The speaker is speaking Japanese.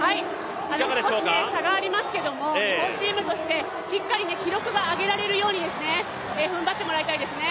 少し差がありますけど日本チームとしてしっかりと記録が上げられるように踏ん張ってもらいたいですね。